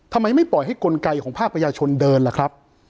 ทำไมไม่ปล่อยให้กลไกของภาคประชาชนเดินล่ะครับ